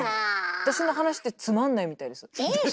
私の話ってつまんないみたいです。